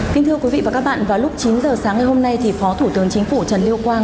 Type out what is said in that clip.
kính thưa quý vị và các bạn vào lúc chín h sáng ngày hôm nay phó thủ tướng chính phủ trần liêu quang